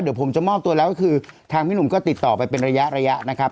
เดี๋ยวผมจะมอบตัวแล้วก็คือทางพี่หนุ่มก็ติดต่อไปเป็นระยะระยะนะครับ